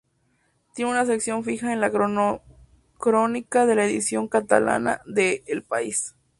Tiene una sección fija en la crónica de la edición catalana de "El País".